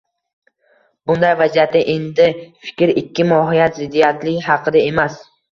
Bunday vaziyatda, endi fikr ikki mohiyat ziddiyati haqida emas